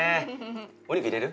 お肉入れる？